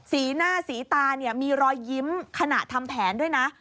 สีหน้าสีตาเนี่ยมีรอยยิ้มขณะทำแผนด้วยนะ